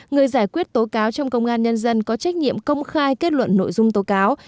người giải quyết tố cáo trong công an nhân dân có trách nhiệm công khai kết luận nội dung tố cáo